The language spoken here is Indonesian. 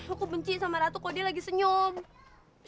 aku benci sama ratu kalau dia lagi senyum